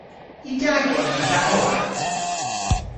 Yw da genen dha ober?